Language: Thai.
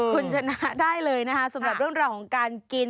คุณชนะได้เลยนะคะสำหรับเรื่องราวของการกิน